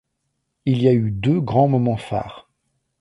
Il y a eu deux grands moments phares.